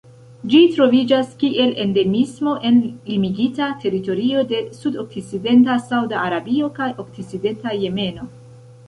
Ĝi troviĝas kiel endemismo en limigita teritorio de sudokcidenta Sauda Arabio kaj okcidenta Jemeno.